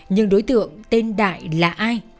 nhưng đối tượng tên đại là ai